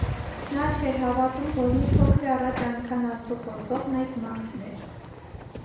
Նա չէր հավատում, որ մի փոքր առաջ այնքան ազդու խոսողն այդ մարդն էր: